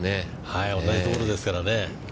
同じところですからね。